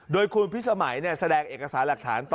โดยคุณภิดสมัยแสดงเอกราษาหลักฐาน